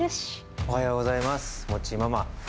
おはようございます。